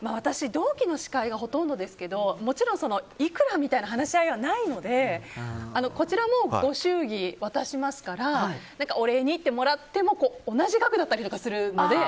同期の司会がほとんどですけどいくらみたいな話し合いがないのでこちらもご祝儀渡しますからお礼にってもらっても同じ額だったりするので。